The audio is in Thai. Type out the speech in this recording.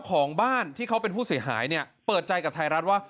ของบ้านที่เขาเป็นผู้เสียหายเนี่ยเปิดใจกับไทยรัฐว่า